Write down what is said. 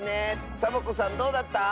サボ子さんどうだった？